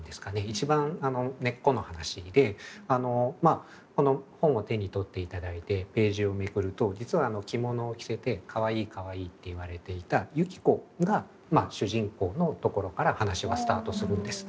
一番根っこの話でこの本を手に取っていただいてページをめくると実は着物を着せて「可愛い可愛い」と言われていた雪子が主人公のところから話はスタートするんです。